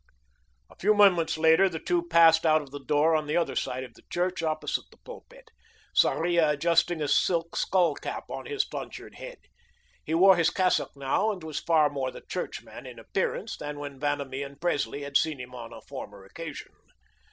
A few moments later the two passed out of the door on the other side of the church, opposite the pulpit, Sarria adjusting a silk skull cap on his tonsured head. He wore his cassock now, and was far more the churchman in appearance than when Vanamee and Presley had seen him on a former occasion.